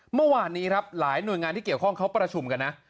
เมื่อวานนี้ครับหลายหน่วยงานที่เกี่ยวข้องเขาประชุมกันนะ